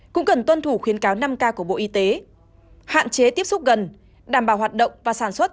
cũng cần tuân thủ khuyến cáo năm k của bộ y tế hạn chế tiếp xúc gần đảm bảo hoạt động và sản xuất